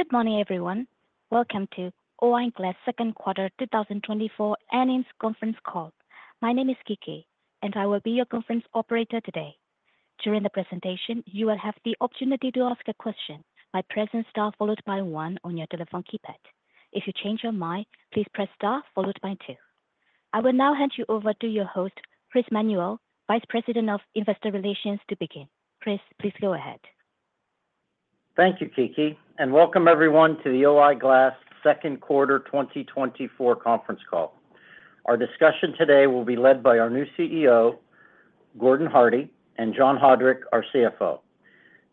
Good morning, everyone. Welcome to O-I Glass Q2 2024 earnings conference call. My name is Kiki, and I will be your conference operator today. During the presentation, you will have the opportunity to ask a question by pressing star followed by one on your telephone keypad. If you change your mind, please press star followed by two. I will now hand you over to your host, Chris Manuel, Vice President of Investor Relations, to begin. Chris, please go ahead. Thank you, Kiki, and welcome everyone to the O-I Glass Q2 2024 conference call. Our discussion today will be led by our new CEO, Gordon Hardie, and John Haudrich, our CFO.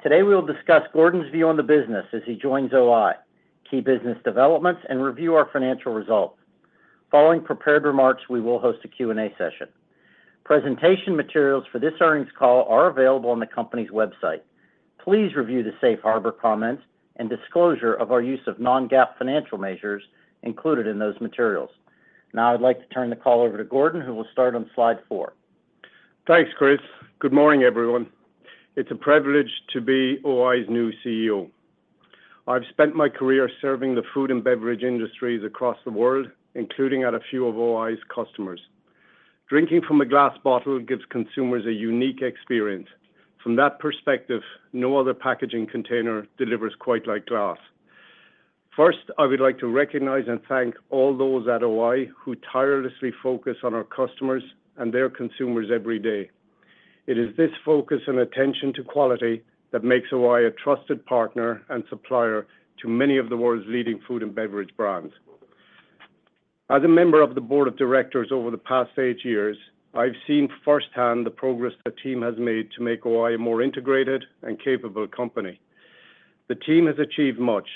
Today, we will discuss Gordon's view on the business as he joins O-I, key business developments, and review our financial results. Following prepared remarks, we will host a Q&A session. Presentation materials for this earnings call are available on the company's website. Please review the safe harbor comments and disclosure of our use of non-GAAP financial measures included in those materials. Now, I'd like to turn the call over to Gordon, who will start on slide 4. Thanks, Chris. Good morning, everyone. It's a privilege to be O-I's new CEO. I've spent my career serving the food and beverage industries across the world, including at a few of O-I's customers. Drinking from a glass bottle gives consumers a unique experience. From that perspective, no other packaging container delivers quite like glass. First, I would like to recognize and thank all those at O-I who tirelessly focus on our customers and their consumers every day. It is this focus and attention to quality that makes O-I a trusted partner and supplier to many of the world's leading food and beverage brands. As a member of the board of directors over the past eight years, I've seen firsthand the progress the team has made to make O-I a more integrated and capable company. The team has achieved much,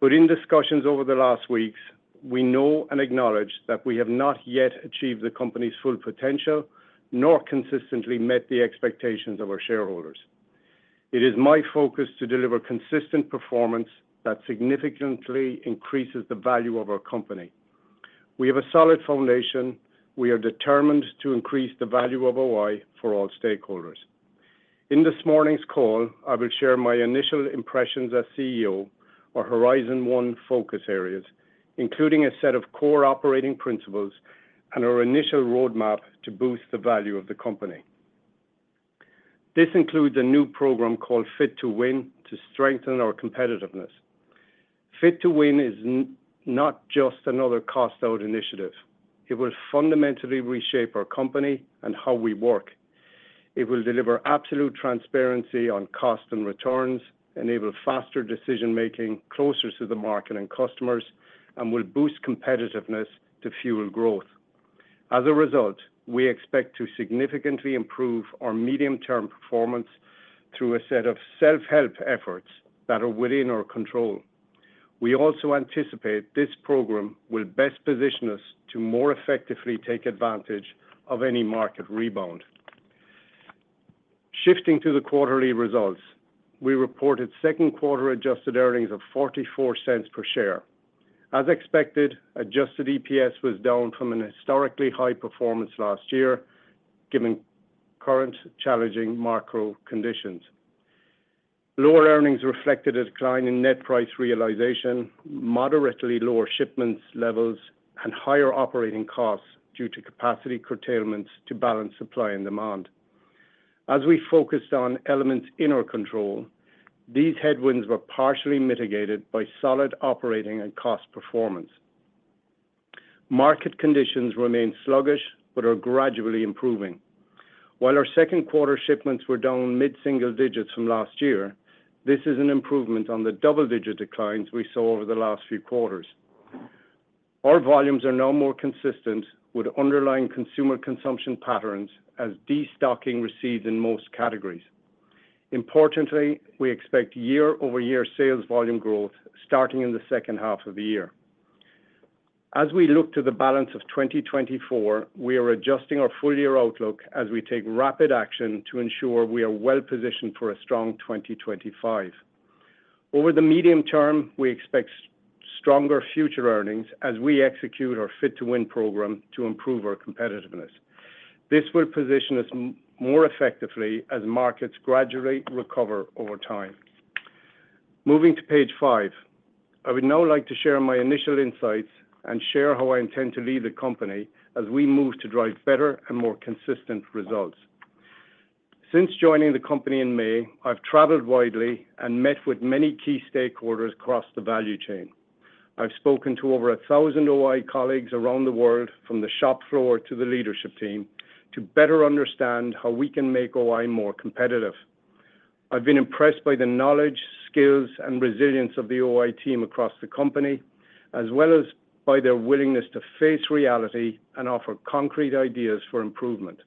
but in discussions over the last weeks, we know and acknowledge that we have not yet achieved the company's full potential, nor consistently met the expectations of our shareholders. It is my focus to deliver consistent performance that significantly increases the value of our company. We have a solid foundation. We are determined to increase the value of O-I for all stakeholders. In this morning's call, I will share my initial impressions as CEO, our Horizon One focus areas, including a set of core operating principles and our initial roadmap to boost the value of the company. This includes a new program called Fit to Win to strengthen our competitiveness. Fit to Win is not just another cost-out initiative. It will fundamentally reshape our company and how we work. It will deliver absolute transparency on cost and returns, enable faster decision-making closer to the market and customers, and will boost competitiveness to fuel growth. As a result, we expect to significantly improve our medium-term performance through a set of self-help efforts that are within our control. We also anticipate this program will best position us to more effectively take advantage of any market rebound. Shifting to the quarterly results, we reported Q2 adjusted earnings of $0.44 per share. As expected, adjusted EPS was down from a historically high performance last year, given current challenging macro conditions. Lower earnings reflected a decline in net price realization, moderately lower shipments levels, and higher operating costs due to capacity curtailments to balance supply and demand. As we focused on elements in our control, these headwinds were partially mitigated by solid operating and cost performance. Market conditions remain sluggish but are gradually improving. While our Q2 shipments were down mid-single digits from last year, this is an improvement on the double-digit declines we saw over the last few quarters. Our volumes are now more consistent with underlying consumer consumption patterns as destocking recedes in most categories. Importantly, we expect year-over-year sales volume growth starting in the second half of the year. As we look to the balance of 2024, we are adjusting our full-year outlook as we take rapid action to ensure we are well positioned for a strong 2025. Over the medium term, we expect stronger future earnings as we execute our Fit to Win program to improve our competitiveness. This will position us more effectively as markets gradually recover over time. Moving to page five, I would now like to share my initial insights and share how I intend to lead the company as we move to drive better and more consistent results. Since joining the company in May, I've traveled widely and met with many key stakeholders across the value chain. I've spoken to over 1,000 O-I colleagues around the world, from the shop floor to the leadership team, to better understand how we can make O-I more competitive. I've been impressed by the knowledge, skills, and resilience of the O-I team across the company, as well as by their willingness to face reality and offer concrete ideas for improvement.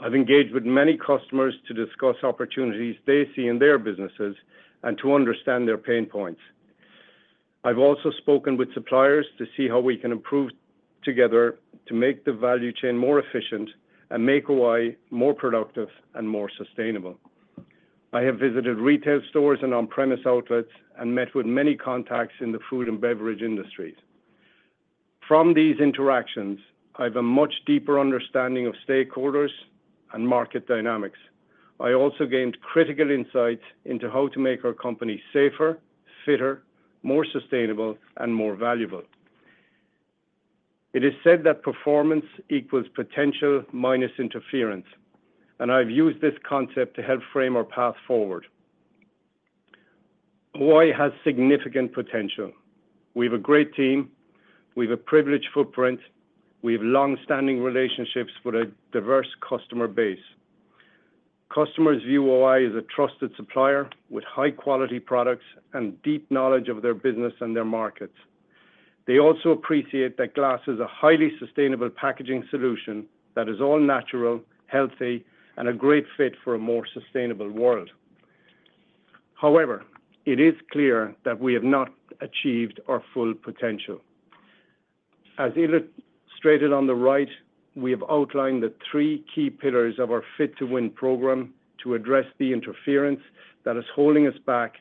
I've engaged with many customers to discuss opportunities they see in their businesses and to understand their pain points. I've also spoken with suppliers to see how we can improve together to make the value chain more efficient and make O-I more productive and more sustainable. I have visited retail stores and on-premise outlets and met with many contacts in the food and beverage industries.... From these interactions, I have a much deeper understanding of stakeholders and market dynamics. I also gained critical insights into how to make our company safer, fitter, more sustainable, and more valuable. It is said that performance equals potential minus interference, and I've used this concept to help frame our path forward. O-I has significant potential. We have a great team. We have a privileged footprint. We have longstanding relationships with a diverse customer base. Customers view O-I as a trusted supplier with high-quality products and deep knowledge of their business and their markets. They also appreciate that glass is a highly sustainable packaging solution that is all-natural, healthy, and a great fit for a more sustainable world. However, it is clear that we have not achieved our full potential. As illustrated on the right, we have outlined the three key pillars of our Fit to Win program to address the interference that is holding us back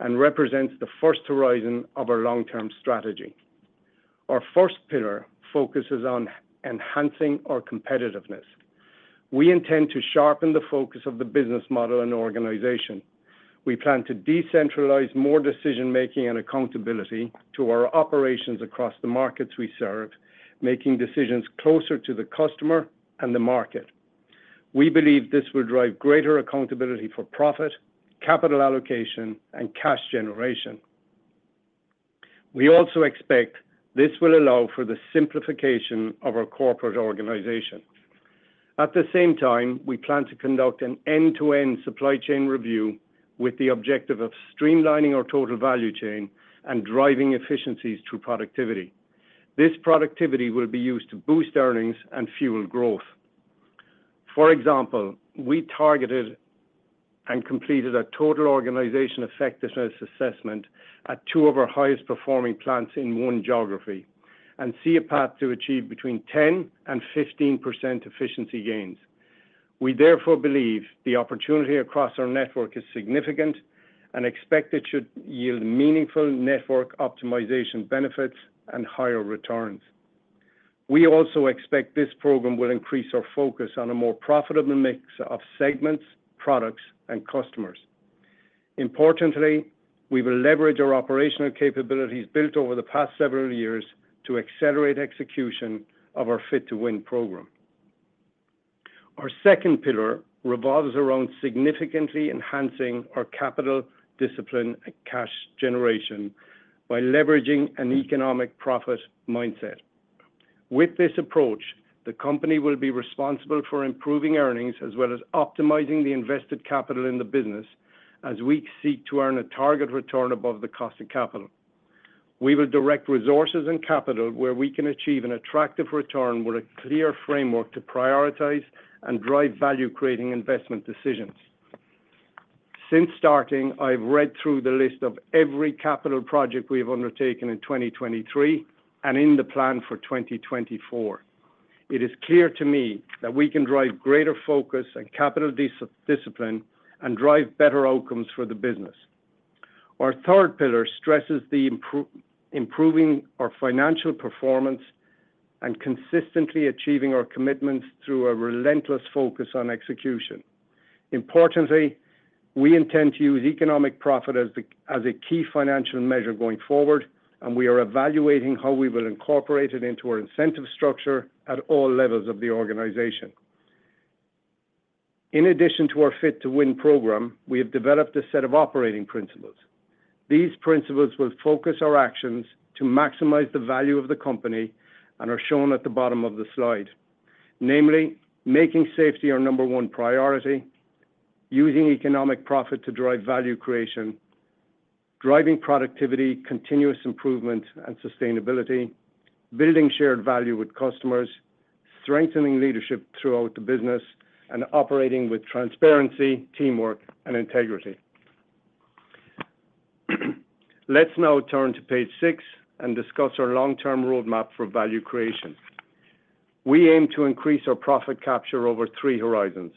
and represents the first horizon of our long-term strategy. Our first pillar focuses on enhancing our competitiveness. We intend to sharpen the focus of the business model and organization. We plan to decentralize more decision-making and accountability to our operations across the markets we serve, making decisions closer to the customer and the market. We believe this will drive greater accountability for profit, capital allocation, and cash generation. We also expect this will allow for the simplification of our corporate organization. At the same time, we plan to conduct an end-to-end supply chain review with the objective of streamlining our total value chain and driving efficiencies through productivity. This productivity will be used to boost earnings and fuel growth. For example, we targeted and completed a total organization effectiveness assessment at 2 of our highest performing plants in one geography, and see a path to achieve between 10% and 15% efficiency gains. We therefore believe the opportunity across our network is significant and expect it should yield meaningful network optimization benefits and higher returns. We also expect this program will increase our focus on a more profitable mix of segments, products, and customers. Importantly, we will leverage our operational capabilities built over the past several years to accelerate execution of our Fit to Win program. Our second pillar revolves around significantly enhancing our capital discipline and cash generation by leveraging an economic profit mindset. With this approach, the company will be responsible for improving earnings, as well as optimizing the invested capital in the business, as we seek to earn a target return above the cost of capital. We will direct resources and capital where we can achieve an attractive return, with a clear framework to prioritize and drive value-creating investment decisions. Since starting, I've read through the list of every capital project we have undertaken in 2023 and in the plan for 2024. It is clear to me that we can drive greater focus and capital discipline and drive better outcomes for the business. Our third pillar stresses the improving our financial performance and consistently achieving our commitments through a relentless focus on execution. Importantly, we intend to use economic profit as a key financial measure going forward, and we are evaluating how we will incorporate it into our incentive structure at all levels of the organization. In addition to our Fit to Win program, we have developed a set of operating principles. These principles will focus our actions to maximize the value of the company and are shown at the bottom of the slide. Namely, making safety our number one priority, using economic profit to drive value creation, driving productivity, continuous improvement, and sustainability, building shared value with customers, strengthening leadership throughout the business, and operating with transparency, teamwork, and integrity. Let's now turn to page 6 and discuss our long-term roadmap for value creation. We aim to increase our profit capture over three horizons.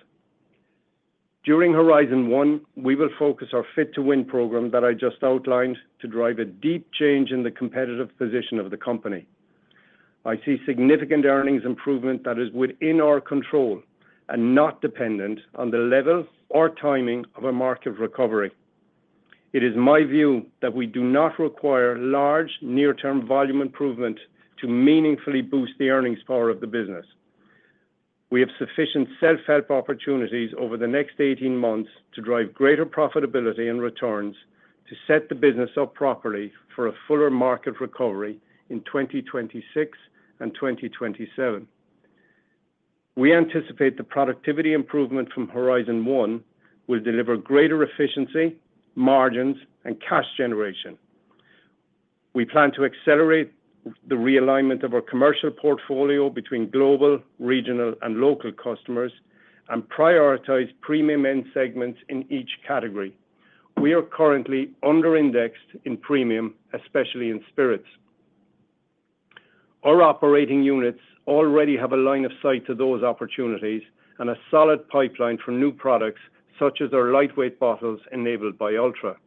During Horizon One, we will focus our Fit to Win program that I just outlined, to drive a deep change in the competitive position of the company. I see significant earnings improvement that is within our control and not dependent on the level or timing of a market recovery. It is my view that we do not require large near-term volume improvement to meaningfully boost the earnings power of the business. We have sufficient self-help opportunities over the next 18 months to drive greater profitability and returns to set the business up properly for a fuller market recovery in 2026 and 2027. We anticipate the productivity improvement from Horizon One will deliver greater efficiency, margins, and cash generation. We plan to accelerate the realignment of our commercial portfolio between global, regional, and local customers, and prioritize premium end segments in each category. We are currently under-indexed in premium, especially in spirits. Our operating units already have a line of sight to those opportunities and a solid pipeline for new products, such as our lightweight bottles enabled by Ultra.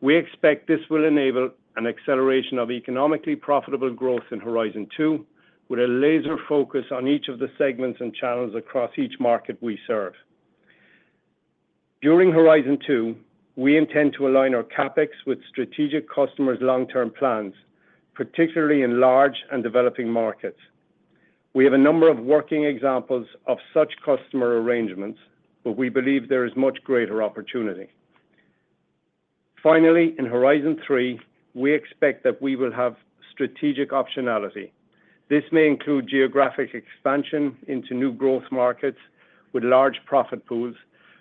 We expect this will enable an acceleration of economically profitable growth in Horizon Two, with a laser focus on each of the segments and channels across each market we serve. During Horizon Two, we intend to align our CapEx with strategic customers' long-term plans, particularly in large and developing markets. We have a number of working examples of such customer arrangements, but we believe there is much greater opportunity. Finally, in Horizon 3, we expect that we will have strategic optionality. This may include geographic expansion into new growth markets with large profit pools,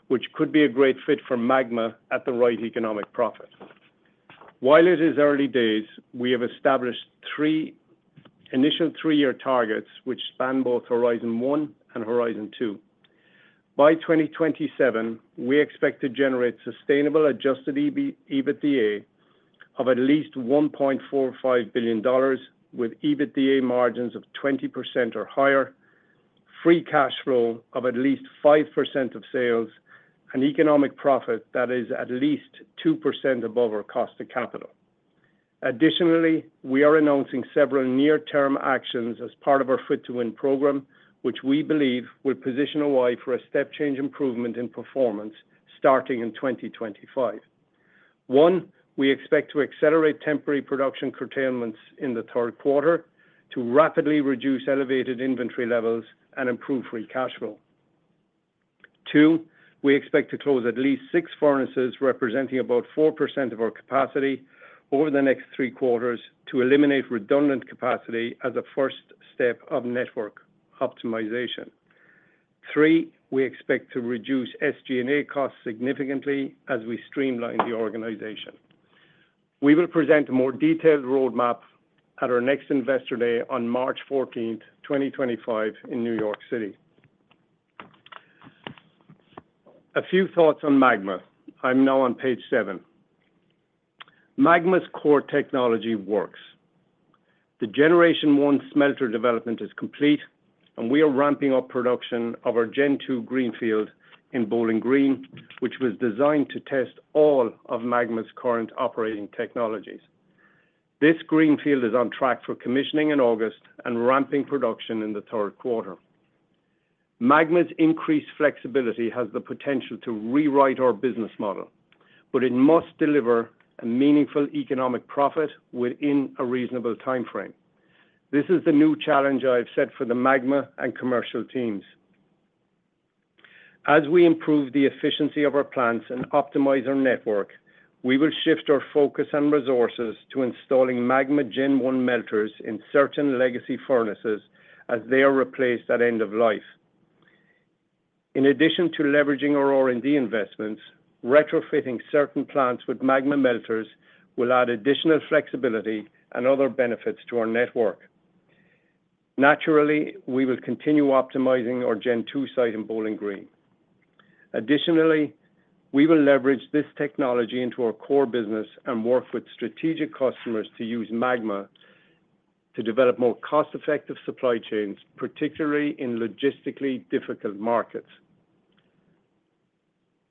which could be a great fit for MAGMA at the right economic profit. While it is early days, we have established three initial three-year targets, which span both Horizon One and Horizon Two. By 2027, we expect to generate sustainable adjusted EBITDA of at least $1.45 billion, with EBITDA margins of 20% or higher, free cash flow of at least 5% of sales, and economic profit that is at least 2% above our cost of capital. Additionally, we are announcing several near-term actions as part of our Fit to Win program, which we believe will position O-I for a step-change improvement in performance starting in 2025. One, we expect to accelerate temporary production curtailments in the Q3 to rapidly reduce elevated inventory levels and improve free cash flow. Two, we expect to close at least 6 furnaces, representing about 4% of our capacity, over the next 3 quarters to eliminate redundant capacity as a first step of network optimization. Three, we expect to reduce SG&A costs significantly as we streamline the organization. We will present a more detailed roadmap at our next Investor Day on March 14th, 2025, in New York City. A few thoughts on MAGMA. I'm now on page 7. MAGMA's core technology works. The Generation One smelter development is complete, and we are ramping up production of our Gen Two greenfield in Bowling Green, which was designed to test all of MAGMA's current operating technologies. This greenfield is on track for commissioning in August and ramping production in the Q3. MAGMA's increased flexibility has the potential to rewrite our business model, but it must deliver a meaningful economic profit within a reasonable timeframe. This is the new challenge I have set for the MAGMA and commercial teams. As we improve the efficiency of our plants and optimize our network, we will shift our focus and resources to installing MAGMA Gen One melters in certain legacy furnaces as they are replaced at end of life. In addition to leveraging our R&D investments, retrofitting certain plants with MAGMA melters will add additional flexibility and other benefits to our network. Naturally, we will continue optimizing our Gen Two site in Bowling Green. Additionally, we will leverage this technology into our core business and work with strategic customers to use MAGMA to develop more cost-effective supply chains, particularly in logistically difficult markets.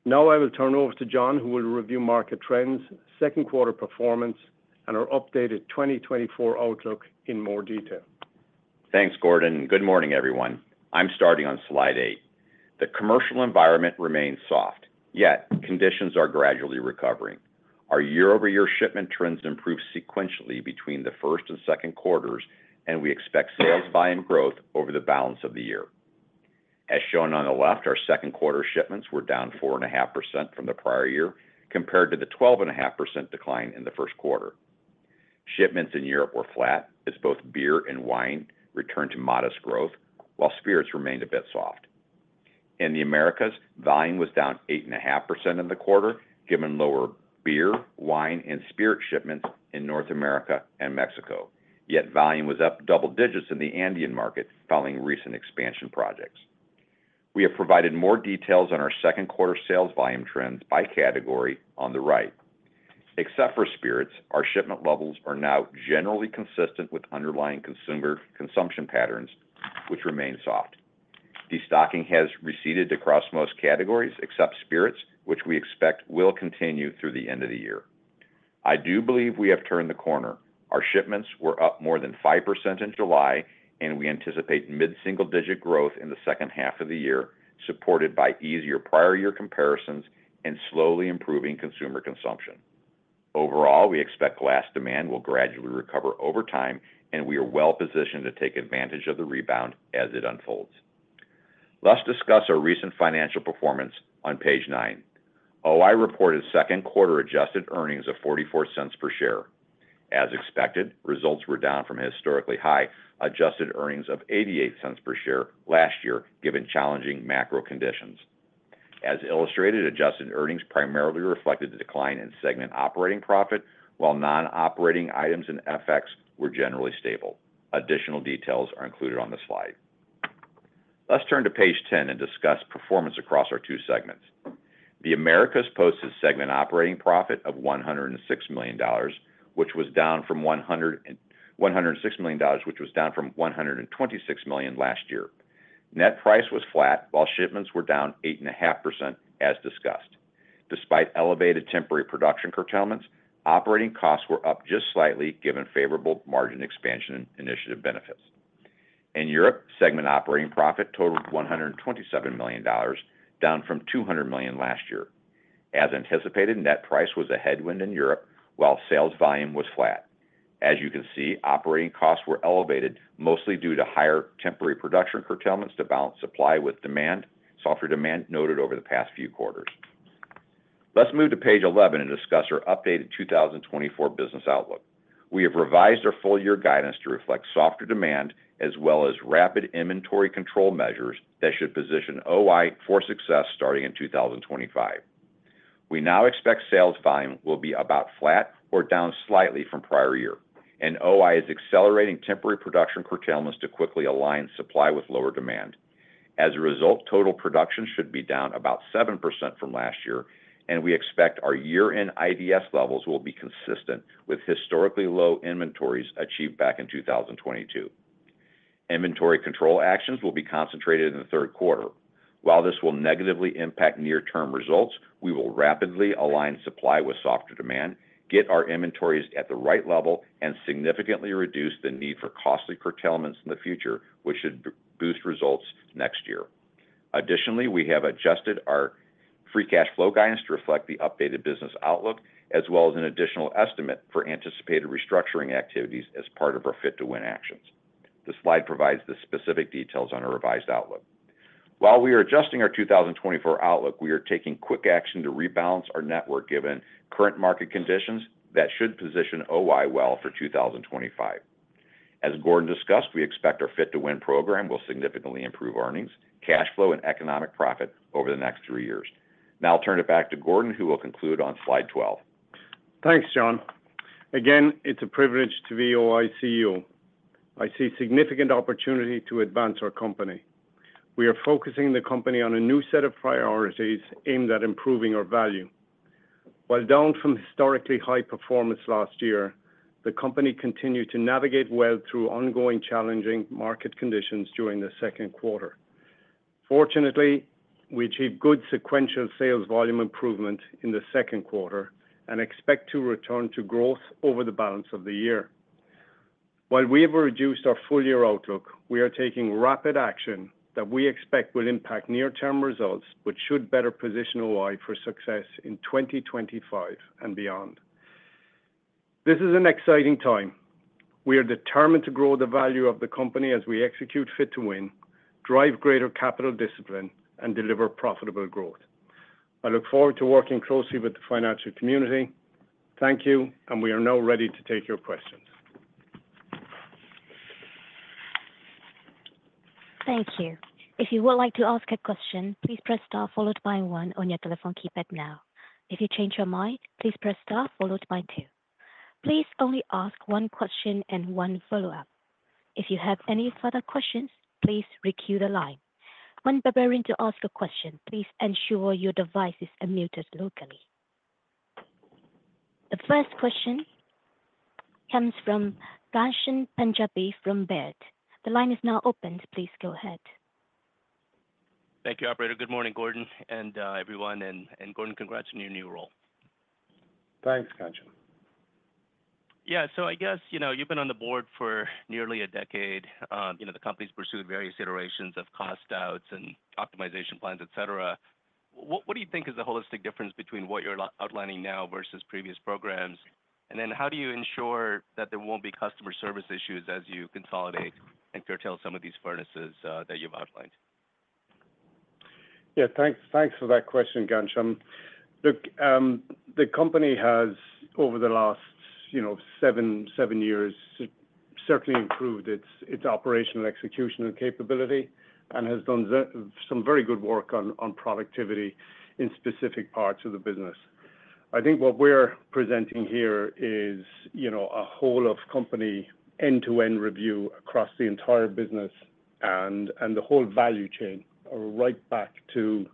Now I will turn over to John, who will review market trends, Q2 performance, and our updated 2024 outlook in more detail. Thanks, Gordon, and good morning, everyone. I'm starting on slide 8. The commercial environment remains soft, yet conditions are gradually recovering. Our year-over-year shipment trends improved sequentially between the Q1 and Q2, and we expect sales volume growth over the balance of the year. As shown on the left, our Q2 shipments were down 4.5% from the prior year, compared to the 12.5% decline in the Q1. Shipments in Europe were flat, as both beer and wine returned to modest growth, while spirits remained a bit soft. In the Americas, volume was down 8.5% in the quarter, given lower beer, wine, and spirit shipments in North America and Mexico. Yet volume was up double digits in the Andean market, following recent expansion projects. We have provided more details on our Q2 sales volume trends by category on the right. Except for spirits, our shipment levels are now generally consistent with underlying consumer consumption patterns, which remain soft. Destocking has receded across most categories, except spirits, which we expect will continue through the end of the year. I do believe we have turned the corner. Our shipments were up more than 5% in July, and we anticipate mid-single digit growth in the second half of the year, supported by easier prior year comparisons and slowly improving consumer consumption. Overall, we expect glass demand will gradually recover over time, and we are well positioned to take advantage of the rebound as it unfolds. Let's discuss our recent financial performance on page 9. O-I reported Q2 adjusted earnings of $0.44 per share. As expected, results were down from historically high, adjusted earnings of $0.88 per share last year, given challenging macro conditions. As illustrated, adjusted earnings primarily reflected the decline in segment operating profit, while non-operating items and FX were generally stable. Additional details are included on the slide. Let's turn to page 10 and discuss performance across our 2 segments. The Americas posted segment operating profit of $106 million, which was down from $126 million last year. Net price was flat, while shipments were down 8.5%, as discussed. Despite elevated temporary production curtailments, operating costs were up just slightly, given favorable margin expansion initiative benefits. In Europe, segment operating profit totaled $127 million, down from $200 million last year. As anticipated, net price was a headwind in Europe, while sales volume was flat. As you can see, operating costs were elevated, mostly due to higher temporary production curtailments to balance supply with demand, softer demand noted over the past few quarters. Let's move to page 11 and discuss our updated 2024 business outlook. We have revised our full year guidance to reflect softer demand, as well as rapid inventory control measures that should position O-I for success starting in 2025. We now expect sales volume will be about flat or down slightly from prior year, and O-I is accelerating temporary production curtailments to quickly align supply with lower demand. As a result, total production should be down about 7% from last year, and we expect our year-end IDS levels will be consistent with historically low inventories achieved back in 2022. Inventory control actions will be concentrated in the Q3. While this will negatively impact near-term results, we will rapidly align supply with softer demand, get our inventories at the right level, and significantly reduce the need for costly curtailments in the future, which should boost results next year. Additionally, we have adjusted our free cash flow guidance to reflect the updated business outlook, as well as an additional estimate for anticipated restructuring activities as part of our Fit to Win actions. This slide provides the specific details on our revised outlook. While we are adjusting our 2024 outlook, we are taking quick action to rebalance our network, given current market conditions that should position O-I well for 2025. As Gordon discussed, we expect our Fit to Win program will significantly improve earnings, cash flow, and economic profit over the next three years. Now I'll turn it back to Gordon, who will conclude on slide 12. Thanks, John. Again, it's a privilege to be O-I CEO. I see significant opportunity to advance our company. We are focusing the company on a new set of priorities aimed at improving our value. While down from historically high performance last year, the company continued to navigate well through ongoing challenging market conditions during the Q2. Fortunately, we achieved good sequential sales volume improvement in the Q2 and expect to return to growth over the balance of the year. While we have reduced our full year outlook, we are taking rapid action that we expect will impact near-term results, which should better position O-I for success in 2025 and beyond. This is an exciting time. We are determined to grow the value of the company as we execute Fit to Win, drive greater capital discipline, and deliver profitable growth. I look forward to working closely with the financial community. Thank you, and we are now ready to take your questions. Thank you. If you would like to ask a question, please press star followed by one on your telephone keypad now. If you change your mind, please press star followed by two. Please only ask one question and one follow-up. If you have any further questions, please re-queue the line. When preparing to ask a question, please ensure your device is unmuted locally. The first question comes from Ghansham Panjabi from Baird. The line is now open. Please go ahead. Thank you, operator. Good morning, Gordon and everyone, and Gordon, congrats on your new role. Thanks, Ghansham. Yeah. So I guess, you know, you've been on the board for nearly a decade. You know, the company's pursued various iterations of cost outs and optimization plans, et cetera. What, what do you think is the holistic difference between what you're outlining now versus previous programs? And then how do you ensure that there won't be customer service issues as you consolidate and curtail some of these furnaces, that you've outlined? Yeah, thanks, thanks for that question, Ghansham. Look, the company has, over the last, you know, 7, 7 years, certainly improved its, its operational execution and capability and has done some very good work on, on productivity in specific parts of the business. I think what we're presenting here is, you know, a whole of company, end-to-end review across the entire business and, and the whole value chain, right back to,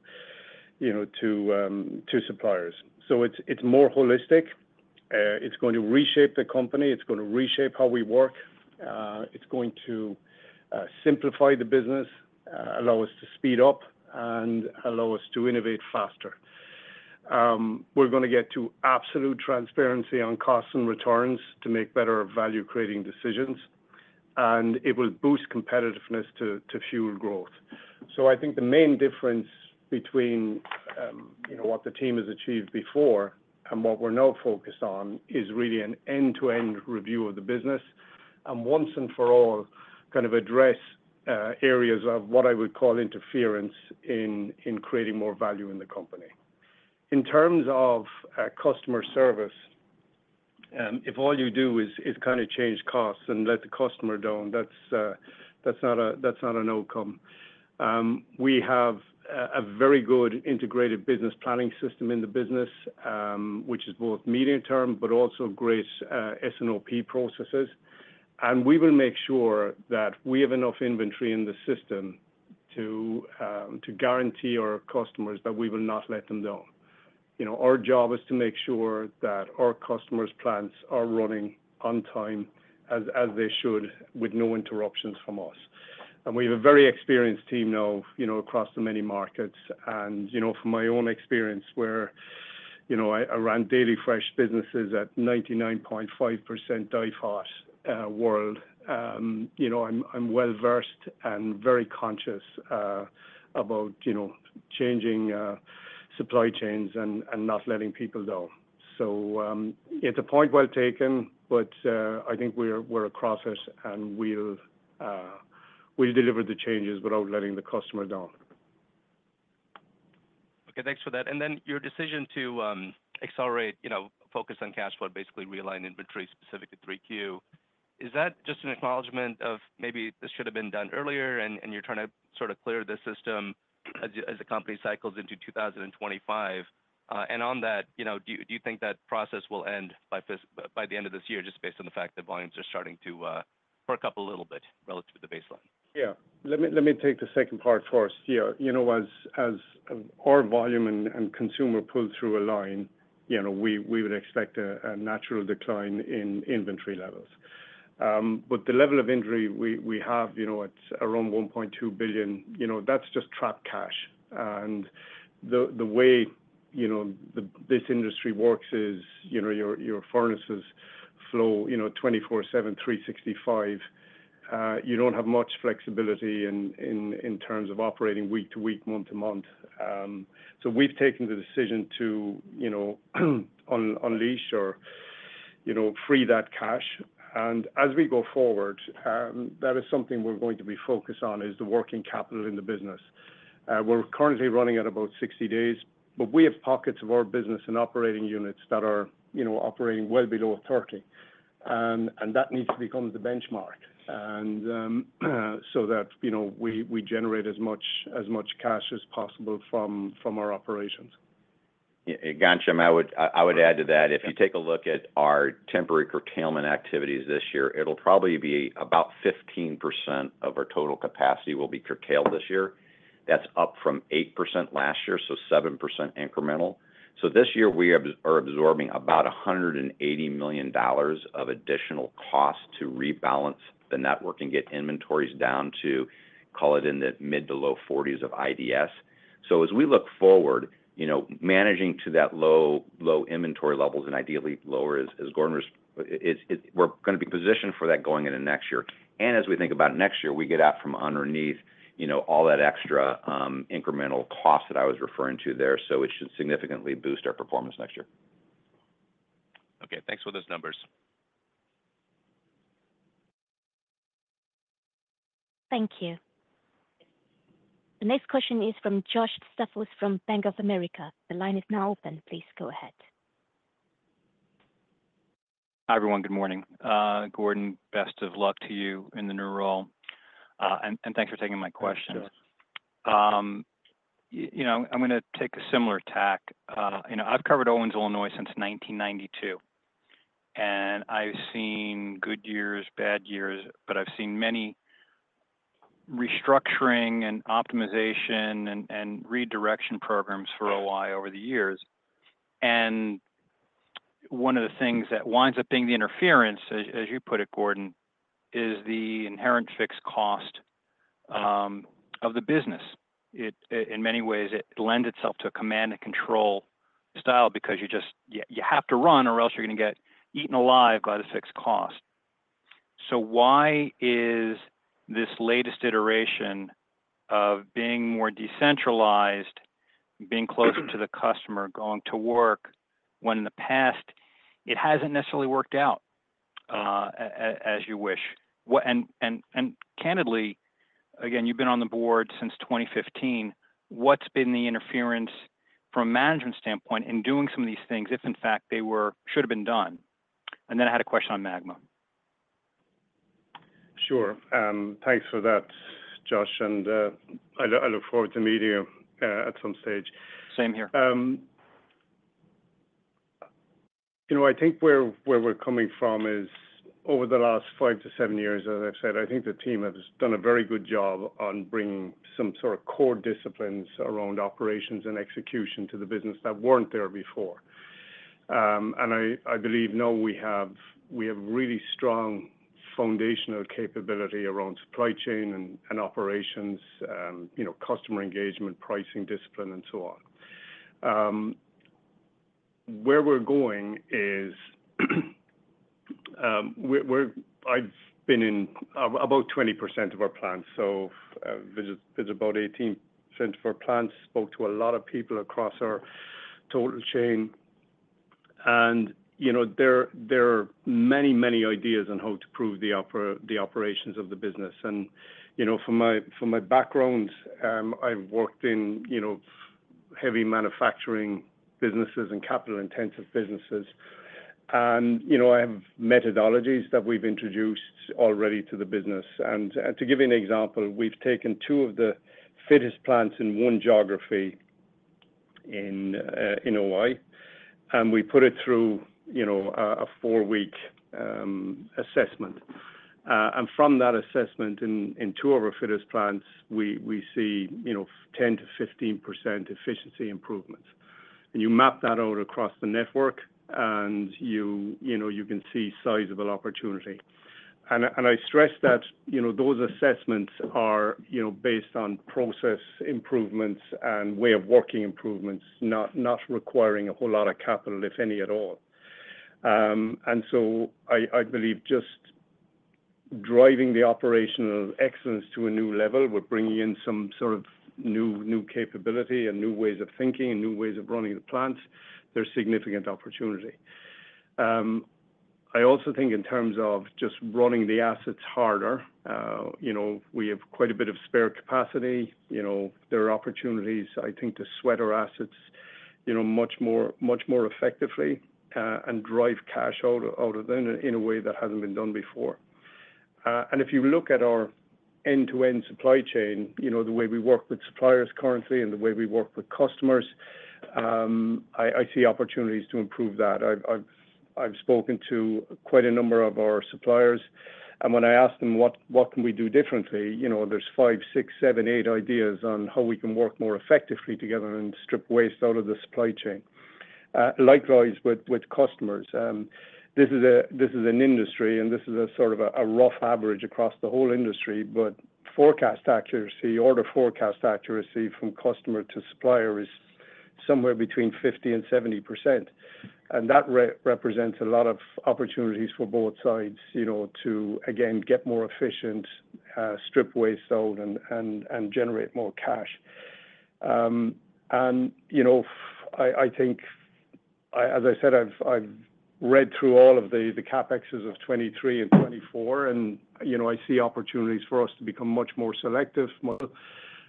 you know, to, to suppliers. So it's, it's more holistic. It's going to reshape the company. It's going to reshape how we work. It's going to simplify the business, allow us to speed up and allow us to innovate faster. We're gonna get to absolute transparency on costs and returns to make better value-creating decisions, and it will boost competitiveness to, to fuel growth. So I think the main difference between, you know, what the team has achieved before and what we're now focused on, is really an end-to-end review of the business, and once and for all, kind of address areas of what I would call interference in creating more value in the company. In terms of customer service, if all you do is kind of change costs and let the customer down, that's not an outcome. We have a very good integrated business planning system in the business, which is both medium term, but also great S&OP processes. And we will make sure that we have enough inventory in the system to guarantee our customers that we will not let them down.... You know, our job is to make sure that our customers' plants are running on time, as they should, with no interruptions from us. And we have a very experienced team now, you know, across the many markets. And, you know, from my own experience, where I ran daily fresh businesses at 99.5% DIFOT world, you know, I'm well-versed and very conscious about changing supply chains and not letting people down. So, it's a point well taken, but I think we're across it and we'll deliver the changes without letting the customer down. Okay, thanks for that. And then, your decision to accelerate, you know, focus on cash flow, basically realign inventory, specifically 3Q, is that just an acknowledgement of maybe this should have been done earlier, and you're trying to sort of clear the system as the company cycles into 2025? And on that, you know, do you think that process will end by the end of this year, just based on the fact that volumes are starting to perk up a little bit relative to the baseline? Yeah. Let me take the second part first. Yeah, you know, as our volume and consumer pull through a line, you know, we would expect a natural decline in inventory levels. But the level of inventory we have, you know, at around $1.2 billion, you know, that's just trapped cash. And the way, you know, this industry works is, you know, your furnaces flow, you know, 24/7, 365. You don't have much flexibility in terms of operating week to week, month to month. So we've taken the decision to, you know, unleash or, you know, free that cash. And as we go forward, that is something we're going to be focused on, is the working capital in the business. We're currently running at about 60 days, but we have pockets of our business and operating units that are, you know, operating well below 30, and that needs to become the benchmark. So that, you know, we generate as much cash as possible from our operations. Yeah, and Jim, I would, I, I would add to that. If you take a look at our temporary curtailment activities this year, it'll probably be about 15% of our total capacity will be curtailed this year. That's up from 8% last year, so 7% incremental. So this year, we are, are absorbing about $180 million of additional costs to rebalance the network and get inventories down to, call it, in the mid- to low 40s of IDS. So as we look forward, you know, managing to that low, low inventory levels and ideally lower as, as Gordon was... It's, it, we're gonna be positioned for that going into next year. As we think about next year, we get out from underneath, you know, all that extra, incremental cost that I was referring to there, so it should significantly boost our performance next year. Okay, thanks for those numbers. Thank you. The next question is from George Staphosfrom Bank of America. The line is now open. Please go ahead. Hi, everyone. Good morning. Gordon, best of luck to you in the new role, and thanks for taking my question. Thank you, George. You know, I'm gonna take a similar tack. You know, I've covered Owens-Illinois since 1992, and I've seen good years, bad years, but I've seen many restructuring and optimization and redirection programs for O-I over the years. And one of the things that winds up being the interference, as you put it, Gordon, is the inherent fixed cost of the business. In many ways, it lends itself to a command-and-control style because you just you have to run, or else you're gonna get eaten alive by the fixed cost. So why is this latest iteration of being more decentralized, being closer to the customer, going to work, when in the past, it hasn't necessarily worked out as you wish? candidly, again, you've been on the board since 2015, what's been the interference from a management standpoint in doing some of these things, if in fact, they should have been done? And then I had a question on MAGMA. Sure. Thanks for that, Josh, and I look forward to meeting you at some stage. Same here. You know, I think where we're coming from is over the last 5-7 years, as I've said, I think the team has done a very good job on bringing some sort of core disciplines around operations and execution to the business that weren't there before. And I believe now we have really strong foundational capability around supply chain and operations, you know, customer engagement, pricing discipline, and so on. Where we're going is, I've been in about 20% of our plants, so visit about 18% of our plants, spoke to a lot of people across our total chain. And you know, there are many ideas on how to improve the operations of the business. You know, from my background, I've worked in, you know, heavy manufacturing businesses and capital-intensive businesses, and, you know, I have methodologies that we've introduced already to the business. To give you an example, we've taken two of the fittest plants in one geography in O-I and we put it through, you know, a 4-week assessment. And from that assessment in two of our fittest plants, we see, you know, 10%-15% efficiency improvements. And you map that out across the network, and you, you know, you can see sizable opportunity. And I stress that, you know, those assessments are, you know, based on process improvements and way of working improvements, not requiring a whole lot of capital, if any, at all. And so I believe just driving the operational excellence to a new level, we're bringing in some sort of new capability and new ways of thinking and new ways of running the plants. There's significant opportunity. I also think in terms of just running the assets harder, you know, we have quite a bit of spare capacity. You know, there are opportunities, I think, to sweat our assets, you know, much more effectively, and drive cash out of them in a way that hasn't been done before. And if you look at our end-to-end supply chain, you know, the way we work with suppliers currently and the way we work with customers, I see opportunities to improve that. I've spoken to quite a number of our suppliers, and when I ask them: What can we do differently? You know, there's 5, 6, 7, 8 ideas on how we can work more effectively together and strip waste out of the supply chain. Likewise, with customers, this is an industry, and this is a sort of a rough average across the whole industry, but forecast accuracy or the forecast accuracy from customer to supplier is somewhere between 50% and 70%, and that represents a lot of opportunities for both sides, you know, to again get more efficient, strip waste out and generate more cash. You know, I think, as I said, I've read through all of the CapExes of 2023 and 2024, and, you know, I see opportunities for us to become much more selective, more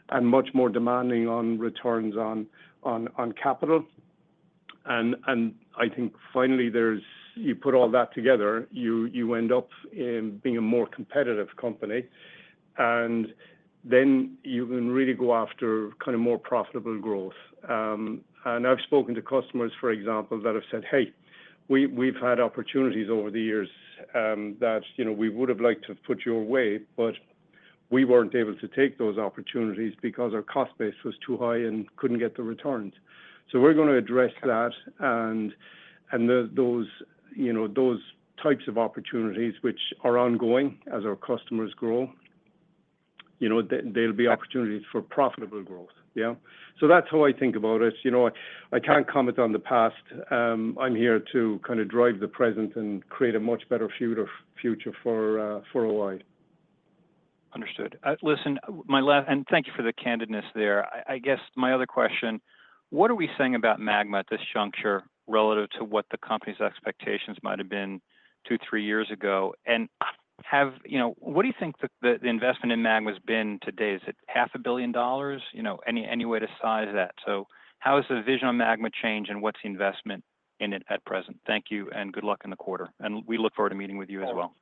and much more demanding on returns on capital. And I think finally, there's you put all that together, you end up being a more competitive company, and then you can really go after kind of more profitable growth. And I've spoken to customers, for example, that have said, "Hey, we've had opportunities over the years, that, you know, we would have liked to have put your way, but we weren't able to take those opportunities because our cost base was too high and couldn't get the returns." So we're gonna address that, and those, you know, those types of opportunities which are ongoing as our customers grow. You know, there'll be opportunities for profitable growth. Yeah. So that's how I think about it. You know, I can't comment on the past. I'm here to kind of drive the present and create a much better future, future for for O-I. Understood. Listen, my last, and thank you for the candidness there. I, I guess my other question: What are we saying about MAGMA at this juncture, relative to what the company's expectations might have been two, three years ago? And have... You know, what do you think the, the investment in MAGMA has been to date? Is it $500 million? You know, any, any way to size that. So how has the vision on MAGMA changed, and what's the investment in it at present? Thank you, and good luck in the quarter, and we look forward to meeting with you as well.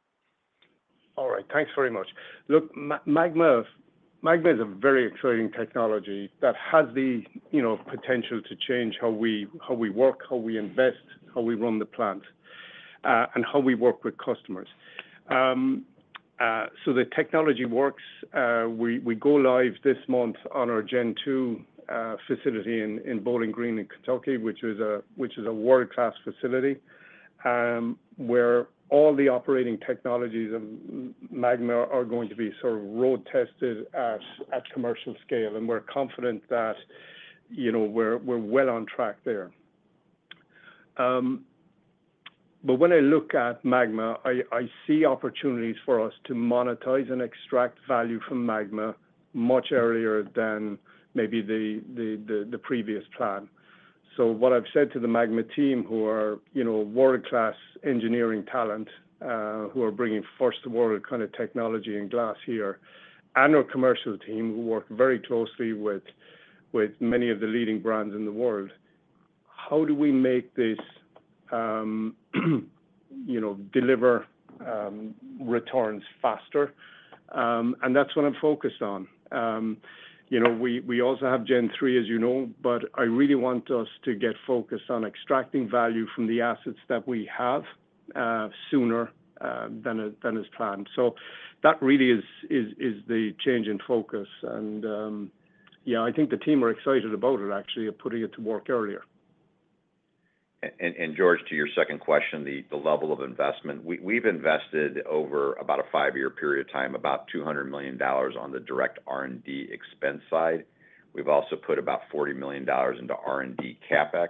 All right. Thanks very much. Look, Magma is a very exciting technology that has the, you know, potential to change how we, how we work, how we invest, how we run the plant, and how we work with customers. So the technology works. We go live this month on our Gen 2 facility in Bowling Green, in Kentucky, which is a world-class facility, where all the operating technologies of Magma are going to be sort of road tested at commercial scale. And we're confident that, you know, we're well on track there. But when I look at Magma, I see opportunities for us to monetize and extract value from Magma much earlier than maybe the previous plan. So what I've said to the MAGMA team, who are, you know, world-class engineering talent, who are bringing first world kind of technology and glass here, and our commercial team, who work very closely with, with many of the leading brands in the world: How do we make this, you know, deliver, returns faster? And that's what I'm focused on. You know, we, we also have Gen 3, as you know, but I really want us to get focused on extracting value from the assets that we have, sooner, than is, than is planned. So that really is, is, is the change in focus, and, yeah, I think the team are excited about it, actually, of putting it to work earlier. And George, to your second question, the level of investment, we've invested over about a five-year period of time, about $200 million on the direct R&D expense side. We've also put about $40 million into R&D CapEx.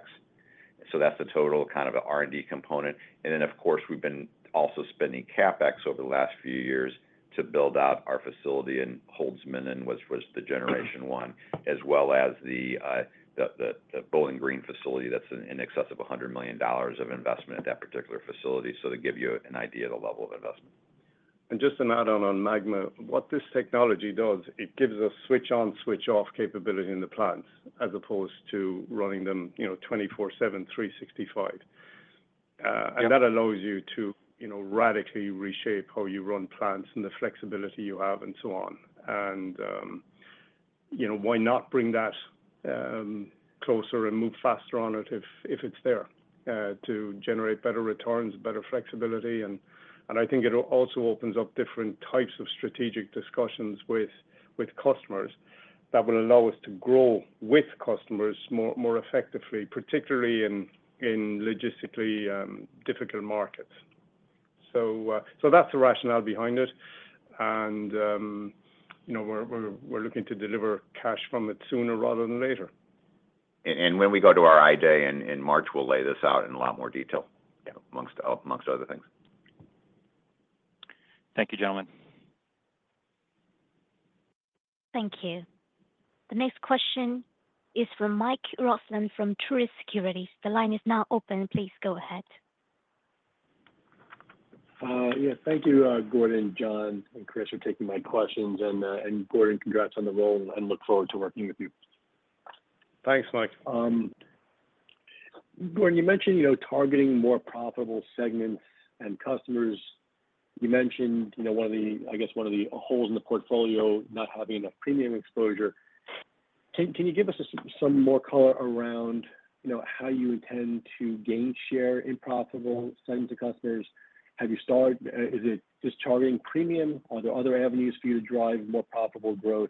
So that's the total, kind of, R&D component. And then, of course, we've been also spending CapEx over the last few years to build out our facility in Holzminden, and was the generation one, as well as the Bowling Green facility that's in excess of $100 million of investment at that particular facility. So to give you an idea of the level of investment. And just to add on, on MAGMA, what this technology does, it gives us switch on, switch off capability in the plants, as opposed to running them, you know, 24/7, 365. And that allows you to, you know, radically reshape how you run plants and the flexibility you have and so on. And, you know, why not bring that closer and move faster on it if it's there to generate better returns, better flexibility? And I think it also opens up different types of strategic discussions with customers that will allow us to grow with customers more effectively, particularly in logistically difficult markets. So that's the rationale behind it. And, you know, we're looking to deliver cash from it sooner rather than later. And when we go to our Investor Day in March, we'll lay this out in a lot more detail. Yeah... among other things. Thank you, gentlemen. Thank you. The next question is from Mike Roxland, from Truist Securities. The line is now open. Please go ahead. Yeah, thank you, Gordon, John, and Chris, for taking my questions. And, Gordon, congrats on the role, and look forward to working with you. Thanks, Mike. Gordon, you mentioned, you know, targeting more profitable segments and customers. You mentioned, you know, one of the... I guess, one of the holes in the portfolio, not having enough premium exposure. Can you give us some more color around, you know, how you intend to gain share in profitable segments of customers? Have you started... Is it just charging premium? Are there other avenues for you to drive more profitable growth?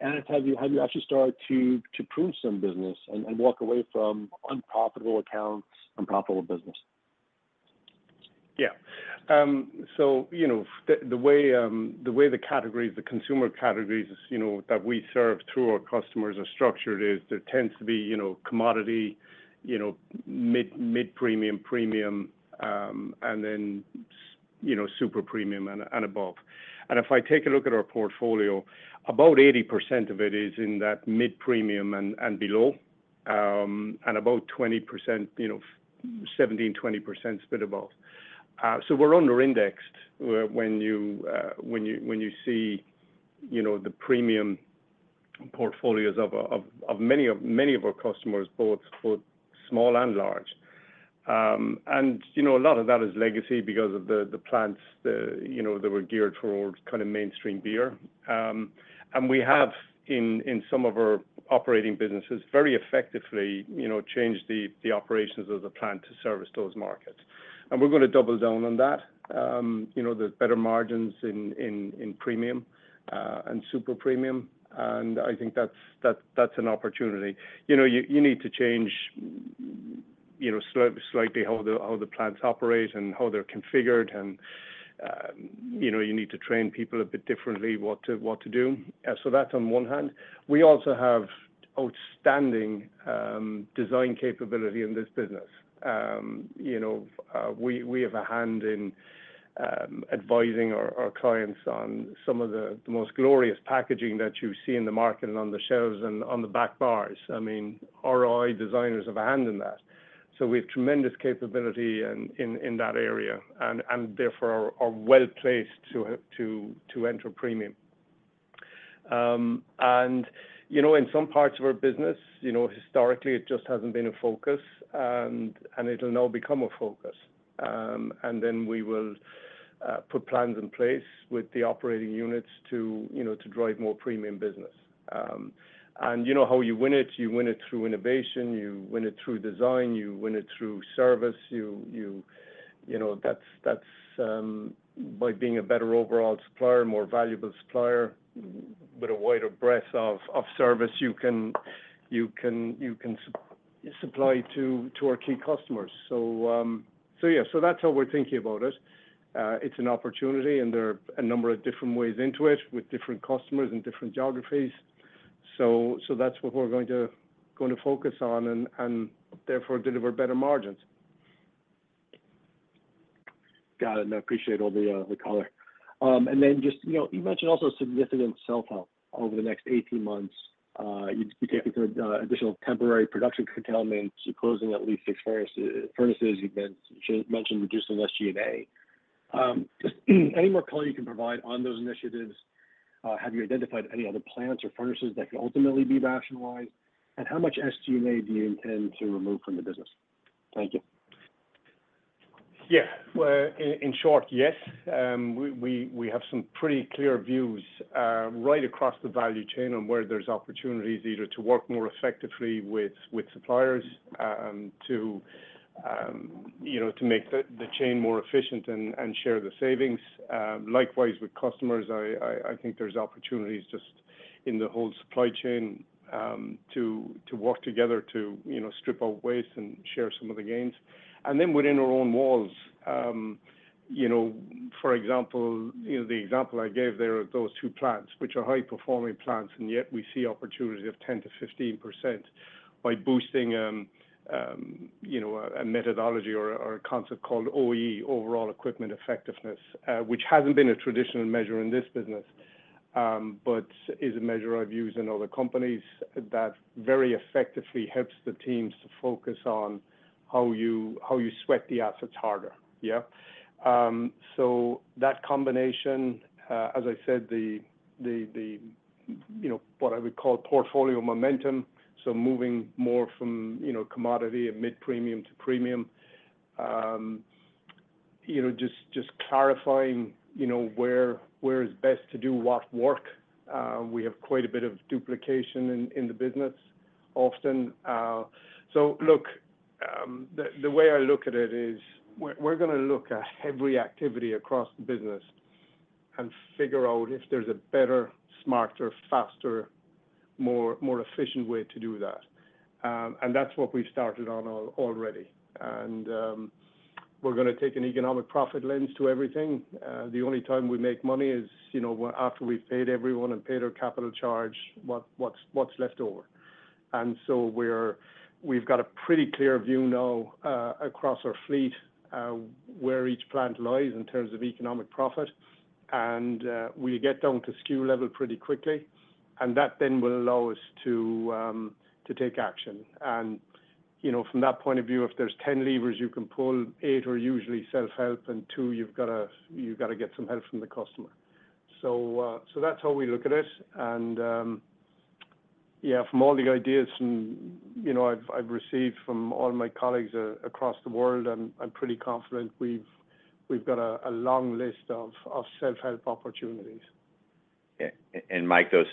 And have you actually started to prune some business and walk away from unprofitable accounts, unprofitable business? Yeah. So you know, the way the categories, the consumer categories, you know, that we serve through our customers are structured, is there tends to be, you know, commodity, you know, mid-premium, premium, and then, you know, super premium and above. And if I take a look at our portfolio, about 80% of it is in that mid-premium and below. And about 20%, you know, 17%-20% is a bit above. So we're under-indexed when you see, you know, the premium portfolios of many of our customers, both for small and large. And, you know, a lot of that is legacy because of the plants, you know, that were geared towards kind of mainstream beer. And we have, in some of our operating businesses, very effectively, you know, changed the operations of the plant to service those markets. And we're gonna double down on that. You know, there's better margins in premium and super premium, and I think that's an opportunity. You know, you need to change, you know, slightly how the plants operate and how they're configured, and you know, you need to train people a bit differently what to do. So that's on one hand. We also have outstanding design capability in this business. You know, we have a hand in advising our clients on some of the most glorious packaging that you see in the market, and on the shelves, and on the back bars. I mean, our designers have a hand in that. So we have tremendous capability in that area and therefore are well placed to enter premium. And you know, in some parts of our business, you know, historically, it just hasn't been a focus, and it'll now become a focus. And then we will put plans in place with the operating units to, you know, to drive more premium business. And you know how you win it, you win it through innovation, you win it through design, you win it through service. You know, that's by being a better overall supplier, more valuable supplier, with a wider breadth of service, you can supply to our key customers. So, so yeah. So that's how we're thinking about it. It's an opportunity, and there are a number of different ways into it, with different customers and different geographies. So that's what we're going to focus on and therefore deliver better margins. Got it, and I appreciate all the color. And then just, you know, you mentioned also significant sell-off over the next 18 months. You'd be taking additional temporary production curtailment, closing at least six furnaces. You've mentioned reducing SG&A. Any more color you can provide on those initiatives? Have you identified any other plants or furnaces that could ultimately be rationalized? And how much SG&A do you intend to remove from the business? Thank you. Yeah. Well, in short, yes. We have some pretty clear views right across the value chain on where there's opportunities, either to work more effectively with suppliers, you know, to make the chain more efficient and share the savings. Likewise, with customers, I think there's opportunities just in the whole supply chain, to work together to, you know, strip out waste and share some of the gains. And then within our own walls, you know, for example, you know, the example I gave there are those two plants, which are high-performing plants, and yet we see opportunity of 10%-15% by boosting, you know, a methodology or a concept called OEE, overall equipment effectiveness. Which hasn't been a traditional measure in this business, but is a measure I've used in other companies that very effectively helps the teams to focus on how you, how you sweat the assets harder. Yeah. So that combination, as I said, the you know, what I would call portfolio momentum, so moving more from, you know, commodity and mid-premium to premium, you know, just clarifying, you know, where, where is best to do what work. We have quite a bit of duplication in, in the business often. So look, the way I look at it is we're, we're gonna look at every activity across the business and figure out if there's a better, smarter, faster, more, more efficient way to do that. And that's what we started on already. We're gonna take an economic profit lens to everything. The only time we make money is, you know, after we've paid everyone and paid our capital charge, what's left over. We get down to SKU level pretty quickly, and that then will allow us to take action. You know, from that point of view, if there's 10 levers you can pull, eight are usually self-help, and two, you've gotta get some help from the customer. That's how we look at it. Yeah, from all the ideas I've received from all my colleagues across the world, I'm pretty confident we've got a long list of self-help opportunities. Yeah. And Mike, those...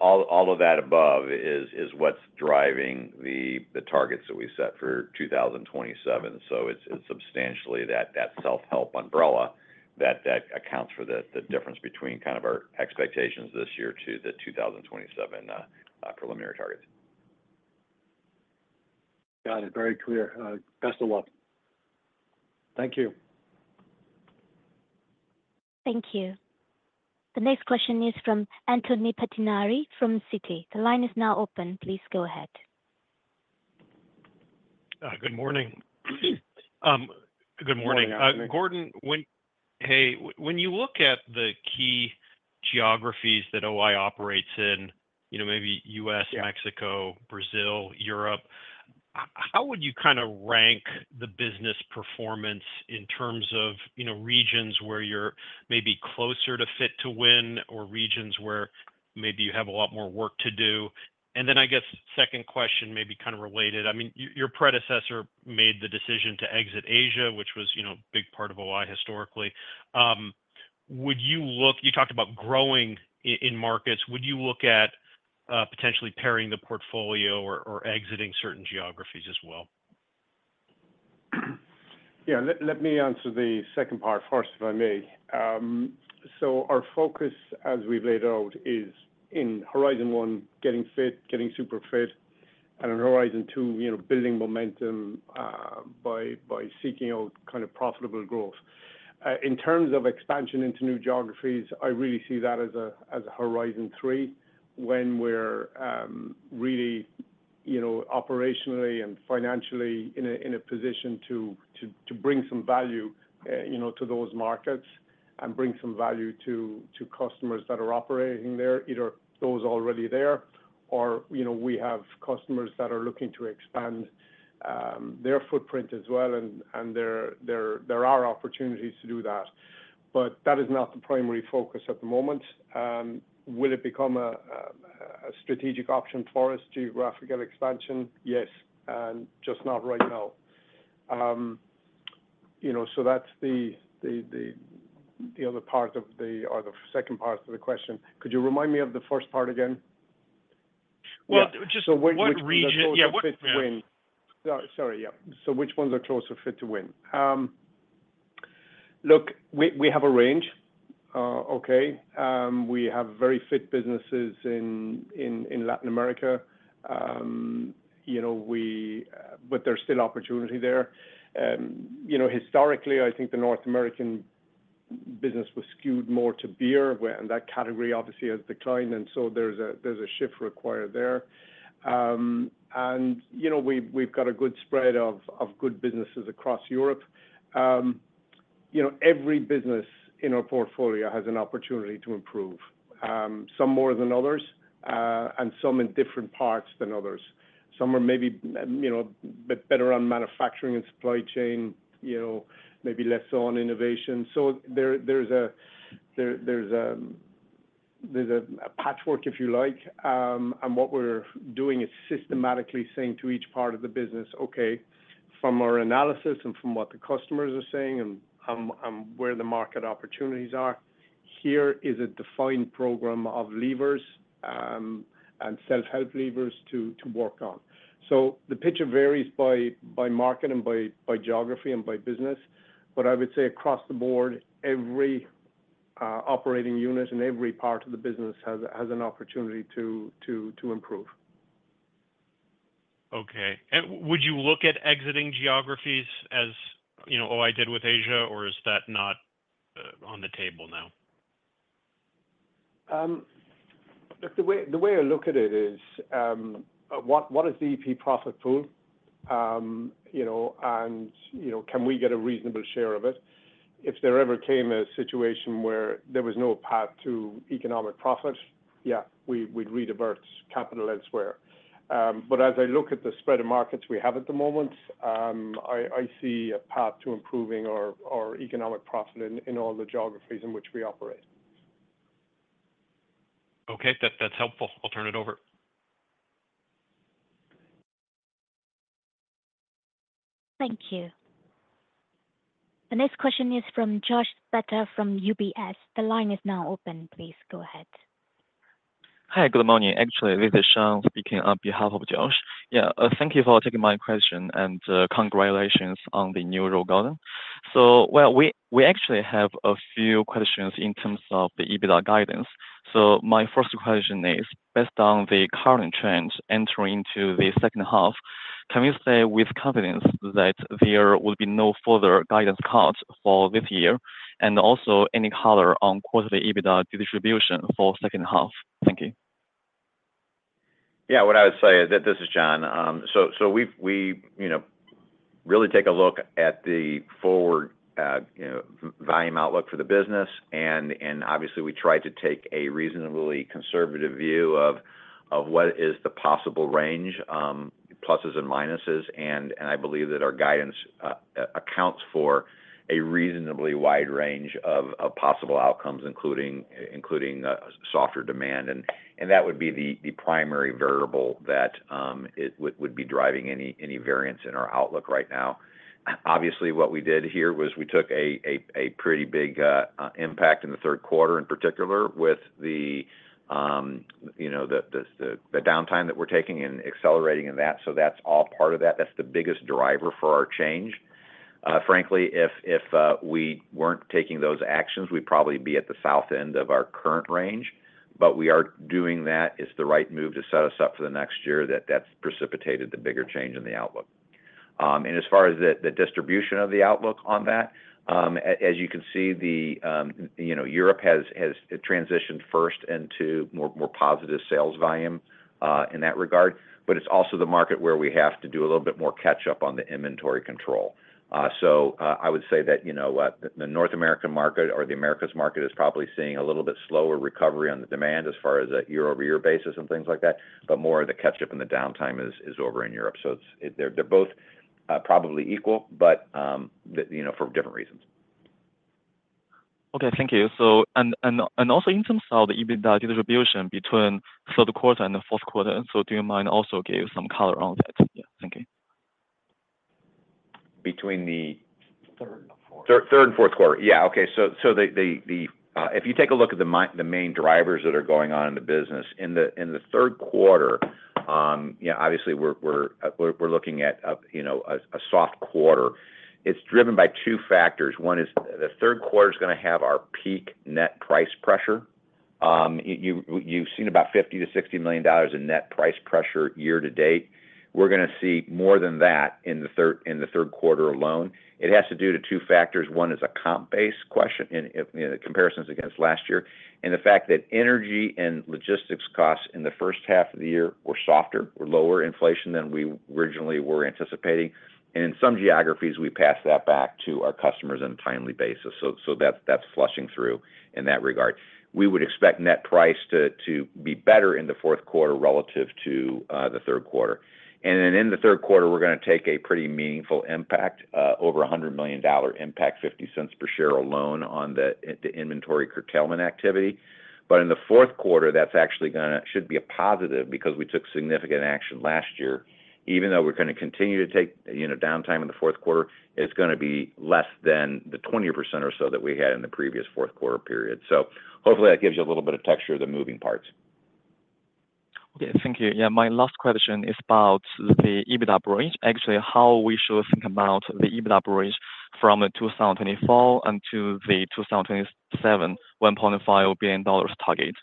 All of that above is what's driving the targets that we set for 2027. So it's substantially that self-help umbrella that accounts for the difference between kind of our expectations this year to the 2027 preliminary targets. Got it. Very clear. Best of luck. Thank you. Thank you. The next question is from Anthony Pettinari from Citi. The line is now open. Please go ahead. Good morning. Good morning. Good morning. Gordon, when you look at the key geographies that O-I operates in, you know, maybe US- Yeah... Mexico, Brazil, Europe, how would you kind of rank the business performance in terms of, you know, regions where you're maybe closer to Fit to Win, or regions where maybe you have a lot more work to do? And then, I guess, second question may be kind of related. I mean, your predecessor made the decision to exit Asia, which was, you know, a big part of O-I historically. Would you look... You talked about growing in markets, would you look at potentially paring the portfolio or exiting certain geographies as well? Yeah. Let me answer the second part first, if I may. So our focus, as we've laid out, is in horizon one, getting fit, getting super fit, and in horizon two, you know, building momentum by seeking out kind of profitable growth. In terms of expansion into new geographies, I really see that as a Horizon 3, when we're really, you know, operationally and financially in a position to bring some value, you know, to those markets and bring some value to customers that are operating there, either those already there or, you know, we have customers that are looking to expand their footprint as well, and there are opportunities to do that. But that is not the primary focus at the moment. Will it become a strategic option for us, geographical expansion? Yes, and just not right now. You know, so that's the other part of the, or the second part of the question. Could you remind me of the first part again? Well- Yeah... just what region- So which ones are closer to Fit to Win? Yeah. Sorry. Yeah. So which ones are closer to Fit to Win? Look, we have a range, okay? We have very fit businesses in Latin America. You know, but there's still opportunity there. You know, historically, I think the North American business was skewed more to beer, and that category obviously has declined, and so there's a shift required there. And you know, we've got a good spread of good businesses across Europe. You know, every business in our portfolio has an opportunity to improve, some more than others, and some in different parts than others. Some are maybe, you know, bit better on manufacturing and supply chain, you know, maybe less so on innovation. So there's a patchwork, if you like. And what we're doing is systematically saying to each part of the business, "Okay, from our analysis and from what the customers are saying, and where the market opportunities are, here is a defined program of levers and self-help levers to work on." So the picture varies by market and by geography and by business. But I would say across the board, every operating unit and every part of the business has an opportunity to improve. Okay. And would you look at exiting geographies, as you know, O-I did with Asia, or is that not on the table now? Look, the way, the way I look at it is, what, what is the EP profit pool? You know, and, you know, can we get a reasonable share of it? If there ever came a situation where there was no path to economic profit, yeah, we, we'd redivert capital elsewhere. But as I look at the spread of markets we have at the moment, I, I see a path to improving our, our economic profit in, in all the geographies in which we operate. Okay. That's helpful. I'll turn it over. Thank you. The next question is from Joshua Spector from UBS. The line is now open. Please go ahead. Hi, good morning. Actually, this is Sean speaking on behalf of Josh. Yeah, thank you for taking my question, and, congratulations on the new role, Gordon. So well, we actually have a few questions in terms of the EBITDA guidance. So my first question is, based on the current trends entering into the second half, can you say with confidence that there will be no further guidance cuts for this year? And also any color on quarterly EBITDA distribution for second half? Thank you. Yeah. What I would say is that... This is John. So we've, you know, really take a look at the forward, you know, volume outlook for the business, and obviously, we try to take a reasonably conservative view of what is the possible range, pluses and minuses. And I believe that our guidance accounts for a reasonably wide range of possible outcomes, including softer demand. And that would be the primary variable that it would be driving any variance in our outlook right now. Obviously, what we did here was we took a pretty big impact in the third quarter, in particular, with the downtime that we're taking and accelerating in that. So that's all part of that. That's the biggest driver for our change. Frankly, if we weren't taking those actions, we'd probably be at the south end of our current range. But we are doing that, it's the right move to set us up for the next year, that's precipitated the bigger change in the outlook. And as far as the distribution of the outlook on that, as you can see, you know, Europe has transitioned first into more positive sales volume in that regard, but it's also the market where we have to do a little bit more catch-up on the inventory control. So, I would say that, you know, the North American market or the Americas market is probably seeing a little bit slower recovery on the demand as far as a year-over-year basis and things like that, but more of the catch-up in the downtime is over in Europe. So it's, they're both probably equal, but, the, you know, for different reasons. Okay, thank you. So also in terms of the EBITDA distribution between Q3 and the Q4, so do you mind also give some color on that? Yeah, thank you. Between the- Third and fourth. Q3 and Q4. Yeah, okay. So, if you take a look at the main drivers that are going on in the business, in the Q3, you know, obviously, we're looking at a, you know, a soft quarter. It's driven by two factors. One is the Q3 is gonna have our peak net price pressure. You've seen about $50-$60 million in net price pressure year to date. We're gonna see more than that in the Q3 alone. It has to do with two factors. One is a comp-based question in, you know, the comparisons against last year, and the fact that energy and logistics costs in the first half of the year were softer or lower inflation than we originally were anticipating. And in some geographies, we passed that back to our customers on a timely basis. So that's flushing through in that regard. We would expect net price to be better in the Q4 relative to the Q3. And then in the Q3, we're gonna take a pretty meaningful impact, over $100 million impact, 50 cents per share alone on the inventory curtailment activity. But in the Q4, that's actually gonna should be a positive because we took significant action last year. Even though we're gonna continue to take, you know, downtime in the Q4, it's gonna be less than the 20% or so that we had in the previous Q4 period. So hopefully that gives you a little bit of texture of the moving parts. Okay, thank you. Yeah, my last question is about the EBITDA bridge. Actually, how we should think about the EBITDA bridge from 2024 until 2027, $1.5 billion target?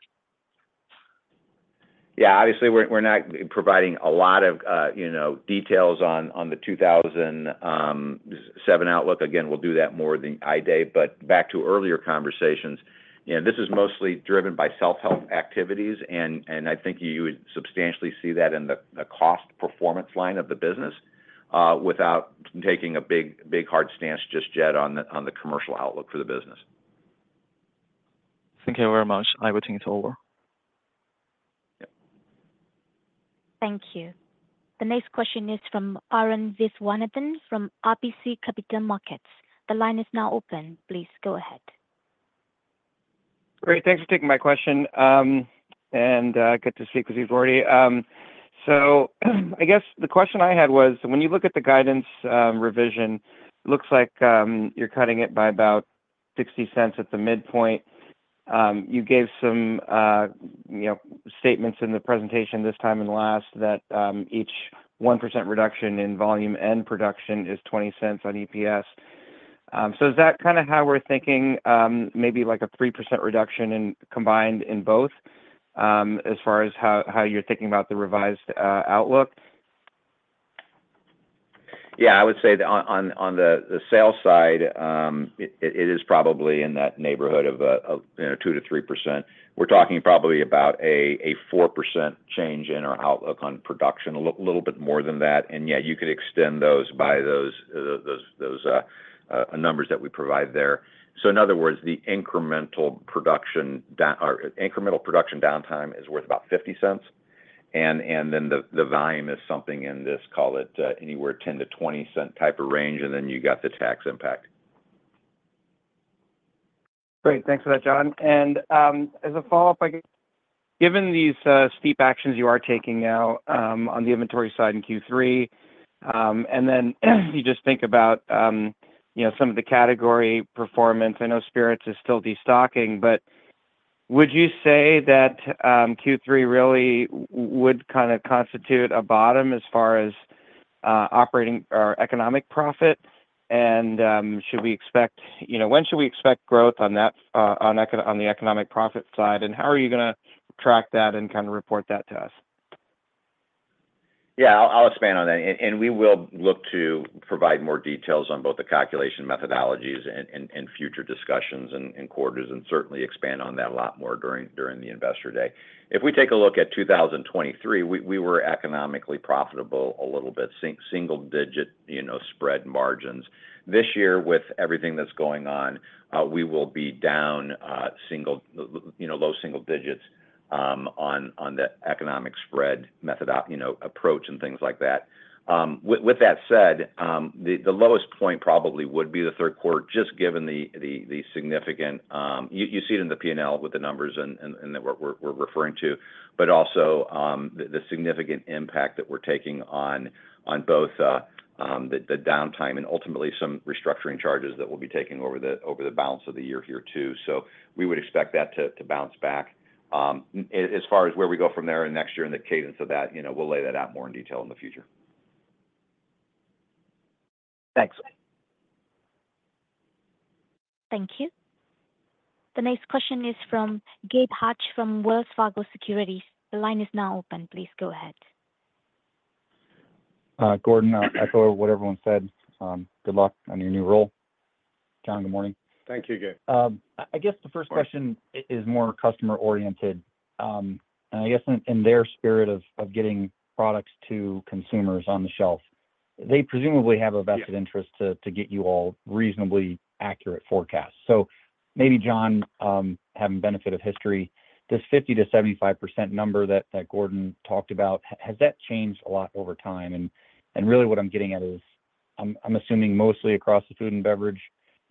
Yeah, obviously, we're not providing a lot of, you know, details on the 2027 outlook. Again, we'll do that more the Investor Day. But back to earlier conversations, you know, this is mostly driven by self-help activities, and I think you would substantially see that in the cost performance line of the business, without taking a big, big hard stance just yet on the commercial outlook for the business. Thank you very much. I would think it's over. Yeah. Thank you. The next question is from Arun Viswanathan, from RBC Capital Markets. The line is now open. Please go ahead. Great. Thanks for taking my question, and good to see you. So I guess the question I had was, when you look at the guidance revision, it looks like you're cutting it by about $0.60 at the midpoint. You gave some, you know, statements in the presentation this time and last, that each 1% reduction in volume and production is $0.20 on EPS. So is that kind of how we're thinking, maybe like a 3% reduction in combined in both, as far as how you're thinking about the revised outlook? Yeah, I would say on the sales side, it is probably in that neighborhood of, you know, 2%-3%. We're talking probably about a 4% change in our outlook on production, a little bit more than that. And yeah, you could extend those by those numbers that we provide there. So in other words, the incremental production downtime is worth about $0.50, and then the volume is something in this, call it, anywhere $0.10-$0.20 type of range, and then you got the tax impact.... Great. Thanks for that, John. And, as a follow-up, I guess, given these, steep actions you are taking now, on the inventory side in Q3, and then you just think about, you know, some of the category performance, I know spirits is still destocking, but would you say that, Q3 really would kind of constitute a bottom as far as, operating or economic profit? And, should we expect... You know, when should we expect growth on that, on the economic profit side, and how are you gonna track that and kind of report that to us? Yeah, I'll expand on that. And we will look to provide more details on both the calculation methodologies and future discussions and quarters, and certainly expand on that a lot more during the Investor Day. If we take a look at 2023, we were economically profitable, a little bit, single digit, you know, spread margins. This year, with everything that's going on, we will be down, single, you know, low single digits, on the economic spread approach and things like that. With that said, the lowest point probably would be the Q3, just given the significant... You see it in the P&L with the numbers and that we're referring to, but also the significant impact that we're taking on both the downtime and ultimately some restructuring charges that we'll be taking over the balance of the year here, too. So we would expect that to bounce back. As far as where we go from there and next year and the cadence of that, you know, we'll lay that out more in detail in the future. Thanks. Thank you. The next question is from Gabe Hajde from Wells Fargo Securities. The line is now open. Please go ahead. Gordon, echo what everyone said, good luck on your new role. John, good morning. Thank you, Gabe. I guess the first question- Sure. -is more customer oriented. And I guess in their spirit of getting products to consumers on the shelf, they presumably have- Yeah -a vested interest to get you all reasonably accurate forecasts. So maybe John, having benefit of history, this 50%-75% number that Gordon talked about, has that changed a lot over time? And really what I'm getting at is, I'm assuming mostly across the food and beverage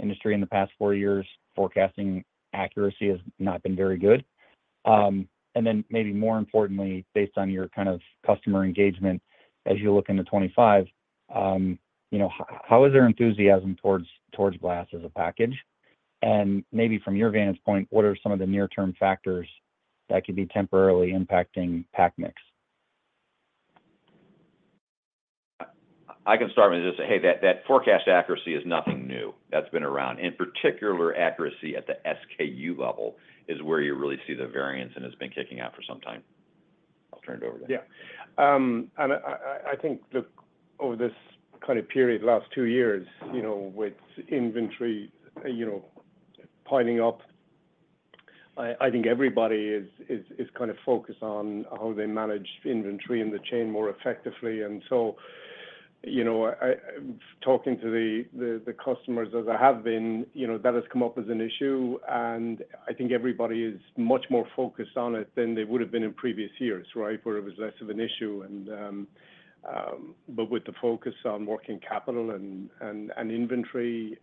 industry in the past four years, forecasting accuracy has not been very good. And then maybe more importantly, based on your kind of customer engagement as you look into 2025, you know, how is their enthusiasm towards glass as a package? And maybe from your vantage point, what are some of the near-term factors that could be temporarily impacting pack mix? I can start with just say, hey, that forecast accuracy is nothing new. That's been around, in particular, accuracy at the SKU level is where you really see the variance, and it's been kicking out for some time. I'll turn it over to you. Yeah. I think look over this kind of period, last two years, you know, with inventory, you know, piling up, I think everybody is kind of focused on how they manage inventory and the chain more effectively. So, you know, talking to the customers, as I have been, you know, that has come up as an issue, and I think everybody is much more focused on it than they would've been in previous years, right? Where it was less of an issue. But with the focus on working capital and inventory,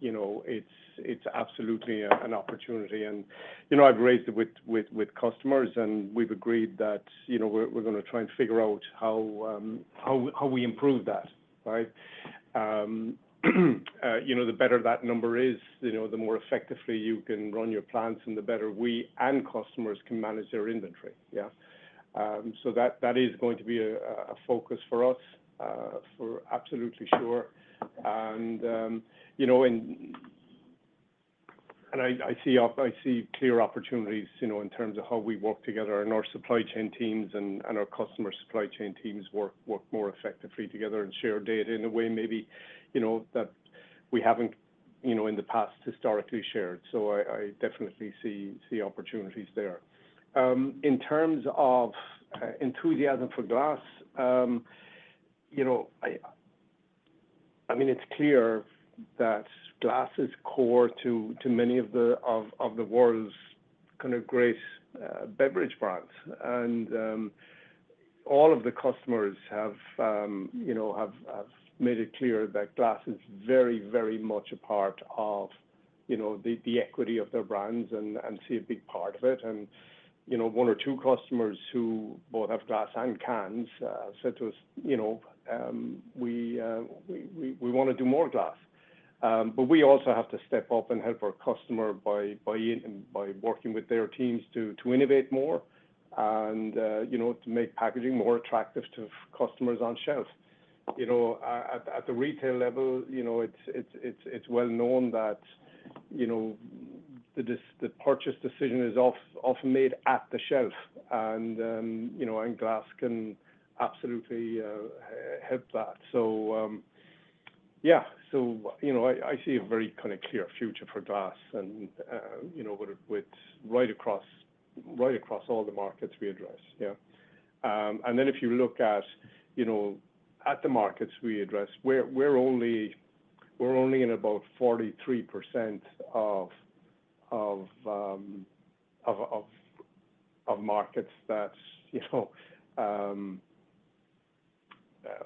you know, it's absolutely an opportunity. You know, I've raised it with customers, and we've agreed that, you know, we're gonna try and figure out how we improve that, right? You know, the better that number is, you know, the more effectively you can run your plants and the better we and customers can manage their inventory. Yeah. So that is going to be a focus for us, for absolutely sure. And, you know, and I see clear opportunities, you know, in terms of how we work together and our supply chain teams and our customer supply chain teams work more effectively together and share data in a way maybe, you know, that we haven't, you know, in the past, historically shared. So I definitely see opportunities there. In terms of enthusiasm for glass, you know, I mean, it's clear that glass is core to many of the world's kind of great beverage brands. All of the customers have, you know, made it clear that glass is very, very much a part of, you know, the equity of their brands and see a big part of it. And, you know, one or two customers who both have glass and cans said to us, you know, "We wanna do more glass." But we also have to step up and help our customer by working with their teams to innovate more and, you know, to make packaging more attractive to customers on shelf. You know, at the retail level, you know, it's well known that, you know, the purchase decision is often made at the shelf, and, you know, glass can absolutely help that. So, yeah, so, you know, I see a very kind of clear future for glass and, you know, with right across all the markets we address. Yeah. And then if you look at, you know, at the markets we address, we're only in about 43% of markets that, you know,...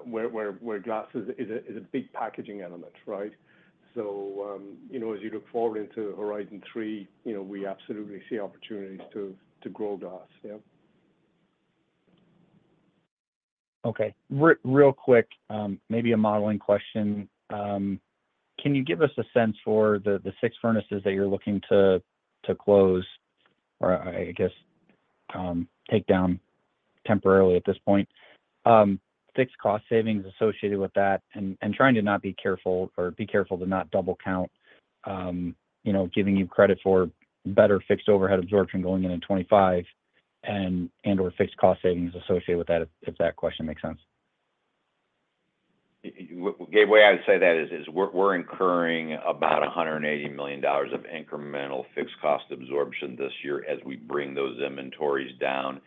where glass is a big packaging element, right? So, you know, as you look forward into Horizon 3, you know, we absolutely see opportunities to grow glass. Yeah. Okay. Real quick, maybe a modeling question. Can you give us a sense for the six furnaces that you're looking to close, or I guess take down temporarily at this point, fixed cost savings associated with that and trying to not be careful or be careful to not double count, you know, giving you credit for better fixed overhead absorption going into 25 and/or fixed cost savings associated with that, if that question makes sense. Gabe, way I'd say that is, we're incurring about $180 million of incremental fixed cost absorption this year as we bring those inventories down.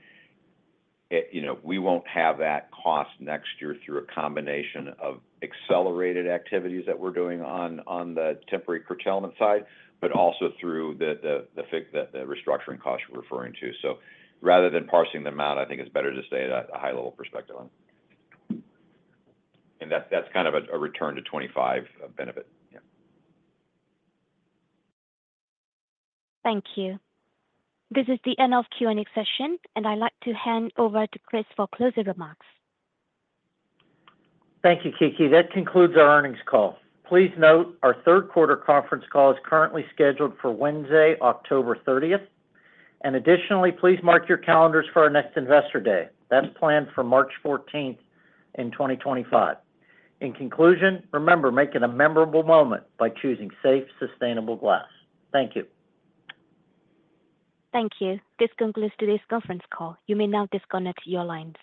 You know, we won't have that cost next year through a combination of accelerated activities that we're doing on the temporary curtailment side, but also through the restructuring costs you're referring to. So rather than parsing them out, I think it's better to stay at a high level perspective on. And that's kind of a return to $25 million benefit. Yeah. Thank you. This is the end of Q&A session, and I'd like to hand over to Chris for closing remarks. Thank you, Kiki. That concludes our earnings call. Please note our Q3 conference call is currently scheduled for Wednesday, October 30th. Additionally, please mark your calendars for our next Investor Day. That's planned for March 14th, 2025. In conclusion, remember, make it a memorable moment by choosing safe, sustainable glass. Thank you. Thank you. This concludes today's conference call. You may now disconnect your lines.